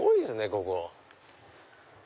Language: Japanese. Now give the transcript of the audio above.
ここ。